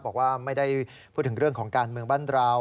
บอกว่าไม่ได้พูดถึงเรื่องของการเมืองบ้านเรา